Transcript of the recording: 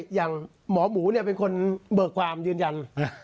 อย่างหมอหมูเป็นคนเบิกความยืนยัน